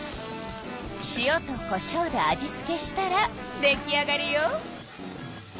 塩とこしょうで味付けしたら出来上がりよ。